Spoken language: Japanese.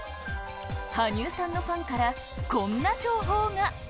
羽生さんのファンから、こんな情報が。